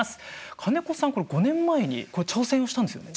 金子さんこれ５年前に挑戦をしたんですよね。